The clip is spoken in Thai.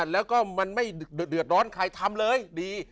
แล้วก็มันไม่เดือดร้อนใครทำเลยดี